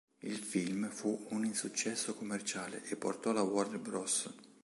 Il film fu un insuccesso commerciale e portò la Warner Bros.